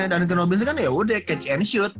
duncan robinson kan yaudah catch and shoot